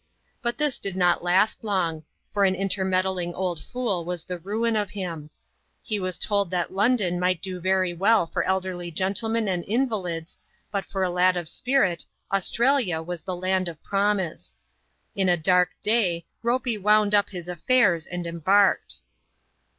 But this did not last long ; for an intermeddling old fool was the ruin of him. He was told that London might do very well hi elderly gentlemen and invalids ; but for a lad of spirit, Austraha was the Land of Promise. In a dark daj Ropey wound up his affairs and embarked.